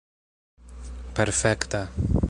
perfekta